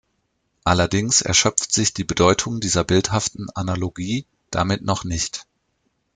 Allerdings erschöpft sich die Bedeutung dieser bildhaften Analogie damit noch nicht.